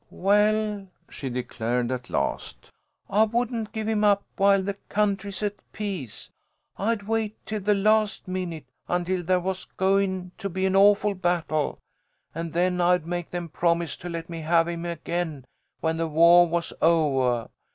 "Well," she declared, at last, "I wouldn't give him up while the country is at peace. I'd wait till the last minute, until there was goin' to be an awful battle, and then I'd make them promise to let me have him again when the wah was ovah.